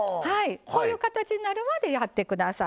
こういう形になるまでやって下さい。